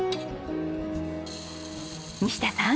西田さん。